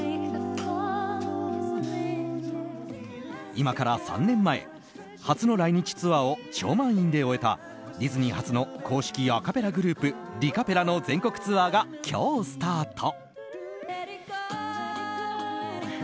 今から３年前初の来日ツアーを超満員で終えたディズニー初の公式アカペラグループＤＣａｐｐｅｌｌａの全国ツアーが本日よりスタート。